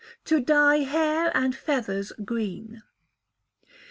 To Dye Hair and Feathers Green.